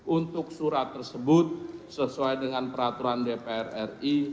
untuk surat tersebut sesuai dengan peraturan dpr ri